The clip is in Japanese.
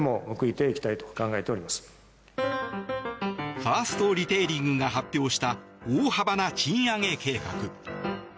ファーストリテイリングが発表した大幅な賃上げ計画。